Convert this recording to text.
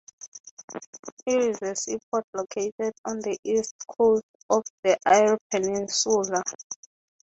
It is a seaport located on the east coast of the Eyre Peninsula.